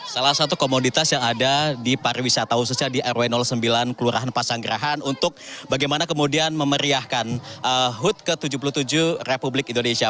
salah satu komoditas yang ada di pariwisata khususnya di rw sembilan kelurahan pasanggerahan untuk bagaimana kemudian memeriahkan hud ke tujuh puluh tujuh republik indonesia